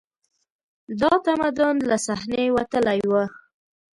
دا تمدن له صحنې وتلی و